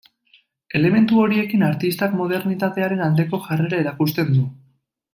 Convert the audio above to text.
Elementu horiekin artistak modernitatearen aldeko jarrera erakusten du.